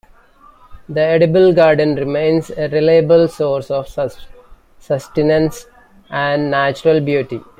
The edible garden remains a reliable source of sustenance and natural beauty.